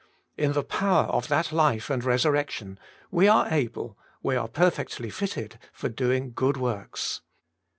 In the power of that Hfe and resurrection, we are able, we are perfectly fitted, for doing good works.